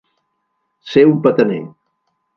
Ser un petaner.